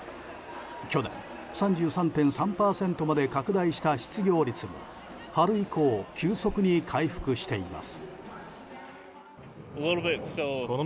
去年３３．３％まで拡大した失業率も春以降、急速に回復しています。